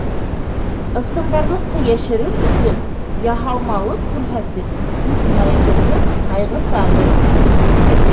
Ысынбарлыҡты йәшерер өсөн яһалмалыҡ күрһәтеп, үҙ уңайыбыҙҙы ҡайғыртабыҙ.